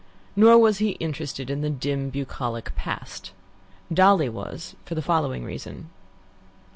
Nor was he interested in the dim, bucolic past. Dolly was for the following reason.